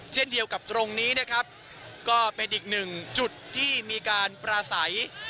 เช่นเดียวกับตรงนี้นะครับก็เป็นอีกหนึ่งจุดที่มีการปราศัย